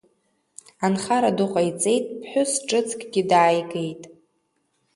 Анхара ду ҟаиҵеит, ԥҳәыс ҿыцкгьы дааигеит.